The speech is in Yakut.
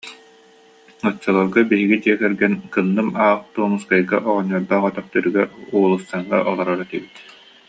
Оччолорго биһиги дьиэ кэргэн кынным аах Томуоскай оҕонньордоох өтөхтөрүгэр Уулуссаҥҥа олорор этибит